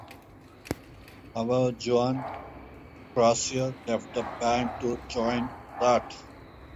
However Juan Croucier left the band to join Ratt.